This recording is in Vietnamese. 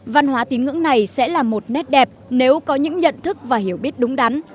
văn hóa tín ngưỡng này sẽ là một nét đẹp nếu có những nhận thức và hiểu biết đúng đắn